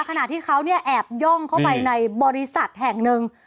ขณะที่เขาเนี่ยแอบย่องเข้าไปในบริษัทแห่งหนึ่ง